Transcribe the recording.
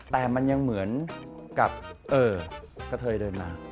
แต่มันยังเหมือนกับกระเทยเดินมา